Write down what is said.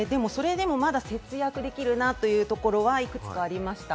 それでもまだ節約できるなというところはいくつかありました。